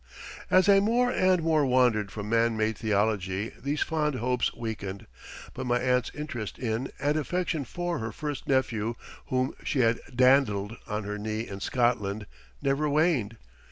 As I more and more wandered from man made theology these fond hopes weakened, but my aunt's interest in and affection for her first nephew, whom she had dandled on her knee in Scotland, never waned.